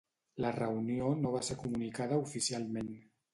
La reunió no va ser comunicada oficialment.